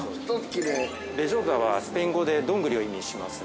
◆ベジョータはスペイン語でどんぐりを意味します。